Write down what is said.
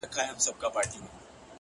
په سينه مې ستا د تورو برېتو راج دی